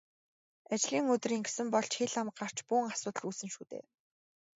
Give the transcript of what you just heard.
Ажлын өдөр ингэсэн бол ч хэл ам гарч бөөн асуудал үүснэ шүү дээ.